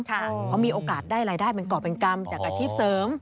เขามีโอกาสได้รายได้เป็นก่อเป็นกรรมจากอาชีพเสริม